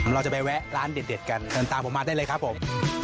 เราจะไปแวะร้านเด็ดกันเดินตามผมมาได้เลยครับผม